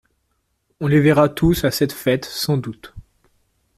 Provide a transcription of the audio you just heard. On les verra tous à cette fête sans doute.